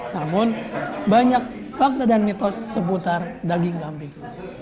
namun banyak fakta dan mitos seputar daging kambing